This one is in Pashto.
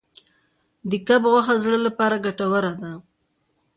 د کب غوښه د زړه لپاره ګټوره ده.